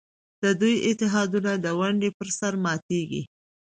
د دوی اتحادونه د ونډې پر سر ماتېږي.